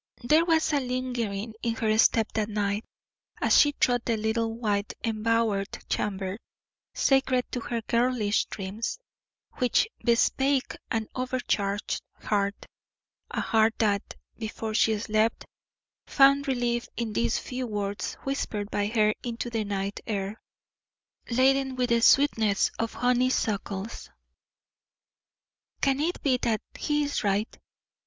There was a lingering in her step that night, as she trod the little white embowered chamber sacred to her girlish dreams, which bespake an overcharged heart; a heart that, before she slept, found relief in these few words whispered by her into the night air, laden with the sweetness of honeysuckles: "Can it be that he is right?